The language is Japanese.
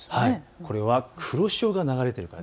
これは黒潮が流れている。